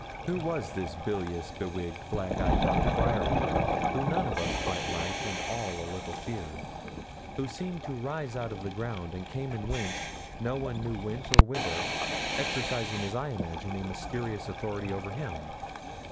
Who was this bilious, bewigged, black eyed Doctor Bryerly, whom none of us quite liked and all a little feared; who seemed to rise out of the ground, and came and went, no one knew whence or whither, exercising, as I imagined, a mysterious authority over him?